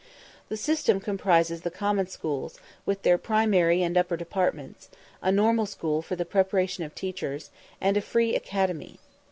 The system comprises the common schools, with their primary and upper departments, a normal school for the preparation of teachers, and a free academy.